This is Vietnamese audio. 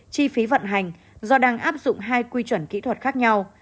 chi phí vận hành do đang áp dụng hai quy chuẩn kỹ thuật khác nhau